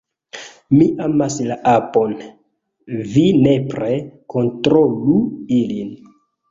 Mi amas la apon, vi nepre kontrolu ilin